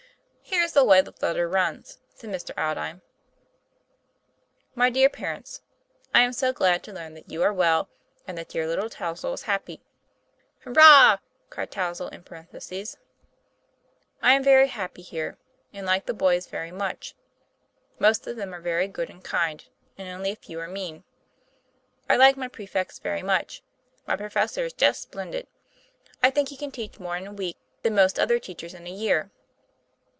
" Here's the way the letter runs," said Mr. Aldine: MY DEAR PARENTS : I am so glad to learn that you are well, and that dear little Touzle is happy "Hurrah!" cried Touzle in parenthesis. I am very happy here, and like the boys very much. Most of them are very good and kind, and only a few are mean. I like my prefects very much my professor is just splendid. I think he can teach more in a week than most other teachers in a year.